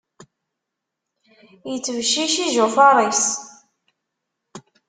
Ittbeccic ijufaṛ-is.